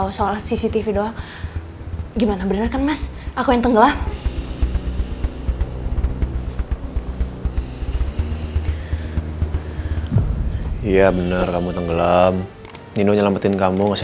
udah sembuh kok mas